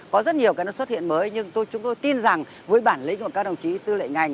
có rất nhiều cái nó xuất hiện mới nhưng chúng tôi tin rằng với bản lĩnh của các đồng chí tư lệnh ngành